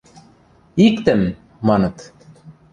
– Иктӹм! – маныт.